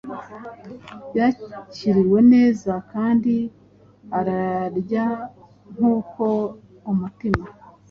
Yakiriwe neza kandi araryankuko umutima